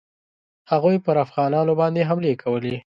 هغوی پر افغانانو باندي حملې کولې.